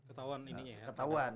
ketahuan gitu kan